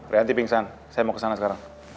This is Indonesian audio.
rianti pingsan saya mau ke sana sekarang